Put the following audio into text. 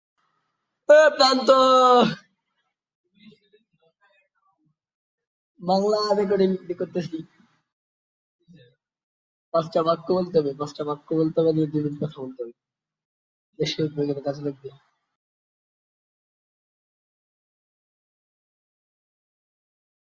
পাকিস্তান আন্দোলনের নেতারা উর্দুকে হিন্দু সংখ্যাগরিষ্ঠ ভারতের সাথে পার্থক্যের চিহ্ন হিসেবে দেখতেন।